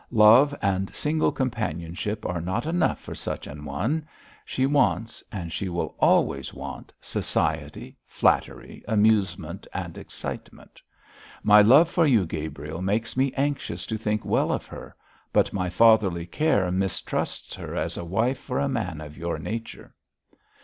Love and single companionship are not enough for such an one; she wants and she will always want society, flattery, amusement and excitement. My love for you, Gabriel, makes me anxious to think well of her, but my fatherly care mistrusts her as a wife for a man of your nature.'